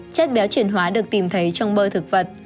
chất béo chuyển hóa được tìm thấy trong bơ thực vật